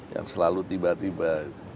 yang selalu tiba tiba